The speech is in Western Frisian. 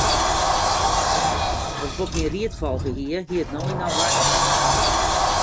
As Bob myn ried folge hie, hie it no yn oarder west.